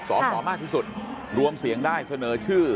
สอสอมากที่สุดรวมเสียงได้เสนอชื่อ